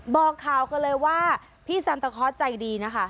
บอกข่าวกันเลยว่าพี่ซันตะคอร์สใจดีนะคะ